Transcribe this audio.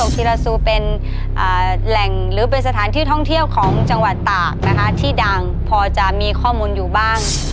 คิลาซูเป็นแหล่งหรือเป็นสถานที่ท่องเที่ยวของจังหวัดตากนะคะที่ดังพอจะมีข้อมูลอยู่บ้าง